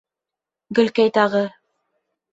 Гөлкәй тағы: